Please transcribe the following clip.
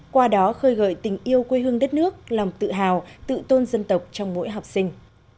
qua đó khơi gợi tình yêu quê hương đất nước lòng tự hào tự tôn dân tộc trong mỗi học sinh